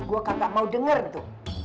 gua kagak mau denger gitu